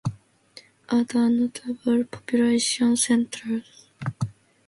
Other notable population centres include Cupar, Newport-on-Tay, Newburgh, Auchtermuchty and Anstruther.